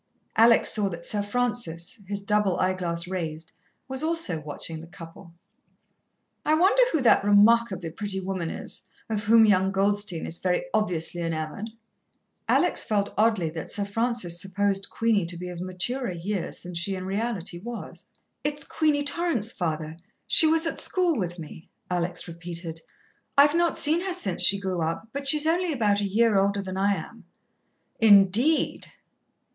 Alex saw that Sir Francis, his double eyeglass raised, was also watching the couple. "I wonder who that remarkably pretty woman is, of whom young Goldstein is very obviously enamoured?" Alex felt oddly that Sir Francis supposed Queenie to be of maturer years than she in reality was. "It's Queenie Torrance, father. She was at school with me," Alex repeated. "I've not seen her since she grew up but she's only about a year older than I am." "Indeed!"